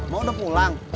lo udah pulang